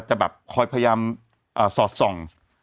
จะแบบคอยพยายามสอดส่อง